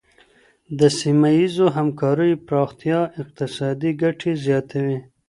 د سیمه ییزو همکاریو پراختیا اقتصادي ګټي زیاتوي.